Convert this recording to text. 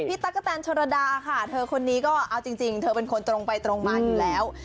ตั๊กกะแตนโชรดาค่ะเธอคนนี้ก็เอาจริงเธอเป็นคนตรงไปตรงมาอยู่แล้ว